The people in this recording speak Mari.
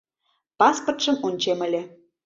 Паспортшым ончем ыле.